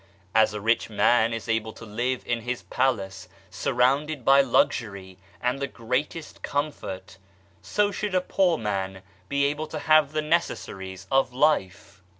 As a rich man is able to live in his palace surrounded by luxury and the greatest comfort, so should a poor man be able to have the necessaries of life.